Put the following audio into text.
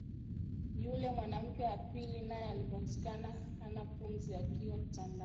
Yule mwanamke wa pili naye alipatikana hana pumzi akiwa kitandani